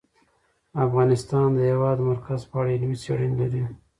افغانستان د د هېواد مرکز په اړه علمي څېړنې لري.